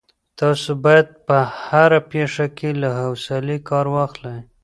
تاسو باید په هره پېښه کي له حوصلې کار واخلئ.